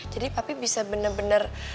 jadi papi bisa bener bener